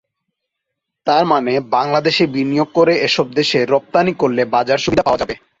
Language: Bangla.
তার মানে বাংলাদেশে বিনিয়োগ করে এসব দেশে রপ্তানি করলে বাজার-সুবিধা পাওয়া যাবে।